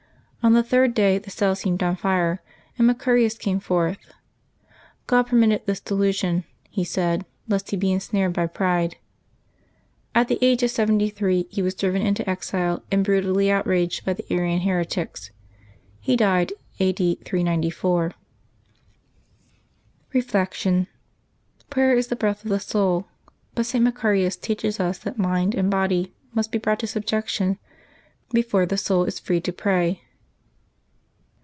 On the third day the cell seemed on fire, and Maearius came forth. God permitted this delusion, he said, lest he be ensnared by pride. At the age of seventy three he was driven into exile and brutally outraged by the Arian here tics. He died a. d. 394. Reflection. — Prayer is the breath of the soul. But St. Maearius teaches us that mind and body must be brought to subjection before the soul is free to pray.